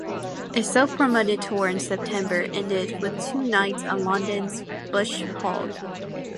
A self-promoted tour in September ended with two nights at London's Bush Hall.